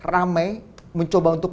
ramai mencoba untuk